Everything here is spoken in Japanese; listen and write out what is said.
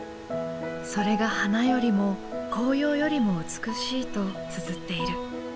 それが花よりも紅葉よりも美しいとつづっている。